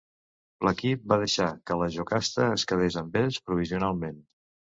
L'equip va deixar que la Jocasta es quedés amb ells provisionalment.